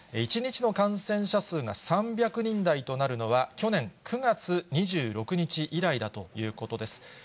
１日の感染者数が３００人台となるのは、去年９月２６日以来だということです。